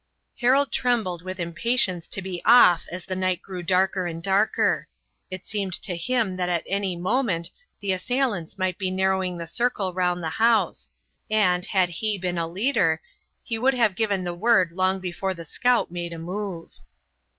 Harold trembled with impatience to be off as the night grew darker and darker. It seemed to him that at any moment the assailants might be narrowing the circle round the house, and, had he been a leader, he would have given the word long before the scout made a move.